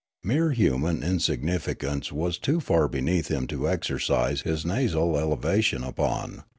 Mere human insignificance was too far beneath him to exercise his nasal elevation upon.